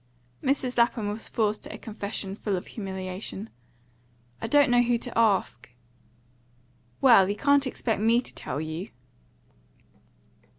Mrs. Lapham was forced to a confession full of humiliation. "I don't know who to ask." "Well, you can't expect me to tell you."